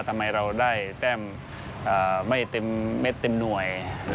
ทำไมเราได้แต้มไม่เต็มเม็ดเต็มหน่วย